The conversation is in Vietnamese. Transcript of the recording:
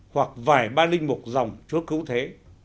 hoặc vài ba linh mục dòng chúa cứu thế